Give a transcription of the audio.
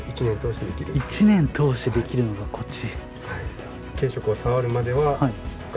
１年通してできるんだこっち。